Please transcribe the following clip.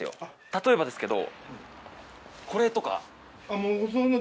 例えばですけどこれとか。